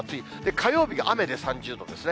火曜日が雨で３０度ですね。